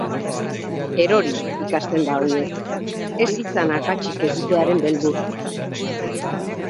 Eroriz ikasten da oinez, ez izan akatsik egitearen beldur.